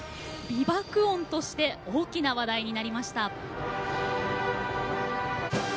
美爆音として大きな話題になりました。